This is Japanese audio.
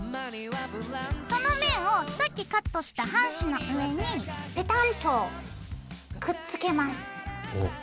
その面をさっきカットした半紙の上にぺたんとくっつけます。